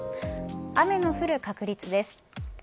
雨の降る確率です。